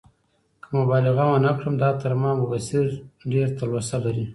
که مبالغه ونه کړم، دا تر ما او بصیر ډېره تلوسه لري.